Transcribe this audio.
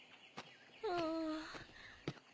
うん。